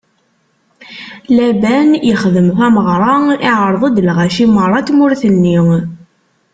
Laban ixdem tameɣra, iɛerḍ-d lɣaci meṛṛa n tmurt-nni.